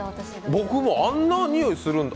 僕も、あんな臭いするんだ。